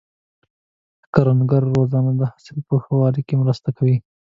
د کروندګرو روزنه د حاصل په ښه والي کې مرسته کوي.